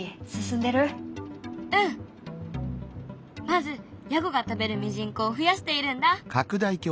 まずヤゴが食べるミジンコを増やしているんだ。